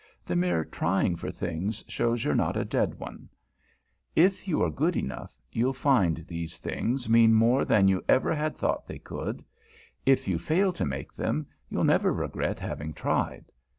The mere trying for things shows you're not a dead one. If you are good enough, you'll find these things mean more than you ever had thought they could; if you fail to make them, you'll never regret having tried.